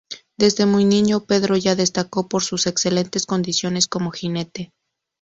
Desde muy niño Pedro ya destacó por sus excelentes condiciones como jinete.